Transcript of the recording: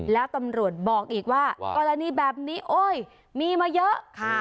แล้วตำรวจบอกอีกว่ากรณีแบบนี้โอ๊ยมีมาเยอะ